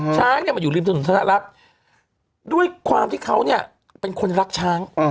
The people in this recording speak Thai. ช้างเนี่ยมันอยู่ริมถนนธนลักษณ์ด้วยความที่เขาเนี่ยเป็นคนรักช้าง